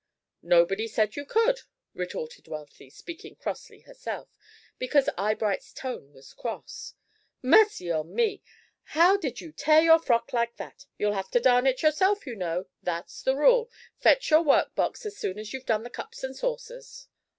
"Nobody said you could," retorted Wealthy, speaking crossly herself, because Eyebright's tone was cross. "Mercy on me! How did you tear your frock like that? You'll have to darn it yourself, you know; that's the rule. Fetch your work box as soon as you've done the cups and saucers."